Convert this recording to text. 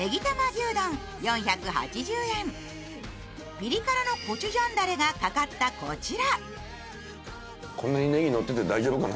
ピリ辛のコチュジャンダレがかかったこちら。